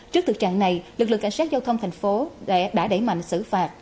trước thực trạng này lực lượng cảnh sát giao thông thành phố đã đẩy mạnh xử phạt